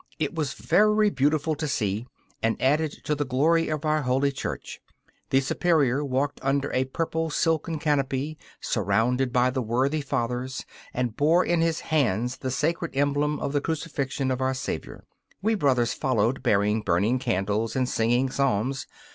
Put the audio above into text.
It was very beautiful to see, and added to the glory of our holy Church. The Superior walked under a purple silken canopy, surrounded by the worthy Fathers, and bore in his hands the sacred emblem of the crucifixion of our Saviour. We brothers followed, bearing burning candles and singing psalms.